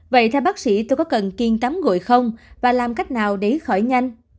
vậy theo bác sĩ tôi có cần kiên tắm gội không và làm cách nào để khỏi nhanh